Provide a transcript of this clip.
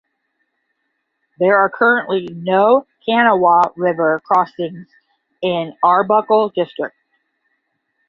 There are currently no Kanawha River crossings in Arbuckle District.